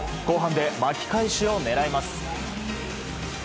後半で巻き返しを狙います。